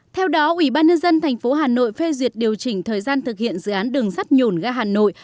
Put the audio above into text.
theo đó ủy ban nhân dân tp hà nội phê duyệt điều chỉnh thời gian thực hiện dự án đường sắt nhổn ga hà nội